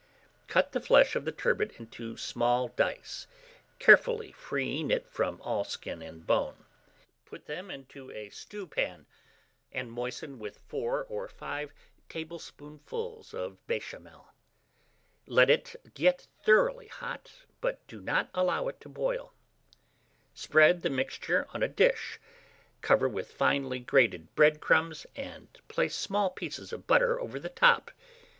Cut the flesh of the turbot into small dice, carefully freeing it from all skin and bone. Put them into a stewpan, and moisten with 4 or 5 tablespoonfuls of béchamel. Let it get thoroughly hot, but do not allow it to boil. Spread the mixture on a dish, cover with finely grated bread crumbs, and place small pieces of butter over the top.